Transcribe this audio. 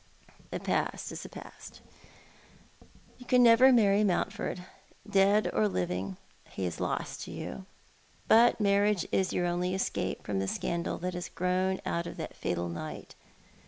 " The past is past. You can never marry Mountford — dead or living, he is lost to you. But marriage is your only escape from the scandal that has grown out of that fatal night.